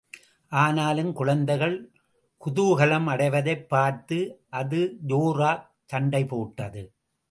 ஆனாலும், குழந்தைகள் குதூகலம் அடைவதைப் பார்த்து அது ஜோராகச் சண்டை போட்டது.